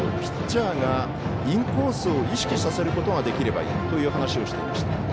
ピッチャーがインコースを意識させることができればいいという話をしていました。